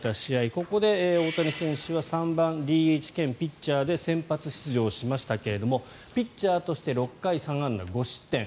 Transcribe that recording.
ここで大谷選手は３番ＤＨ兼ピッチャーで先発出場しましたがピッチャーとして６回３安打５失点。